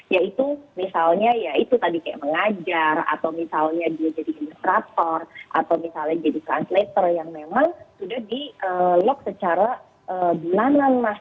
yaitu misalnya ya itu tadi kayak mengajar atau misalnya dia jadi ilustrator atau misalnya jadi translator yang memang sudah di log secara bulanan mas